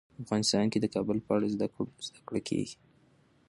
افغانستان کې د کابل په اړه زده کړه کېږي.